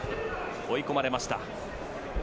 追い込まれました。